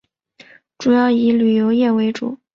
主要以旅游业为主。